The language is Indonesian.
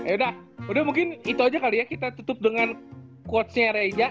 eh udah udah mungkin itu aja kali ya kita tutup dengan quotes nya reza